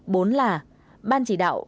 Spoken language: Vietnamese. bốn ban chỉ đạo